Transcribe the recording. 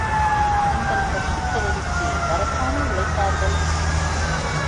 தங்கள் கட்சிப் பதவிக்கு வரத்தானே உழைத்தார்கள்.